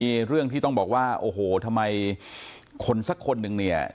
มีเรื่องที่ต้องบอกว่าโอ้โหทำไมคนสักคนหนึ่งเนี่ย